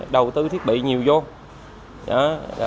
đầu tư thiết bị nhiều vô